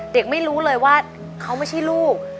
เด็กไม่รู้เลยว่าเขาไม่ใช่ลูก